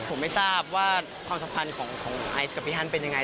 ผมไม่ทราบว่าความสัมพันธ์ของไอซ์กับพี่ฮันเป็นยังไง